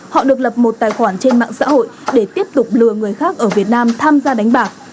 họ được lập một tài khoản trên mạng xã hội để tiếp tục lừa người khác ở việt nam tham gia đánh bạc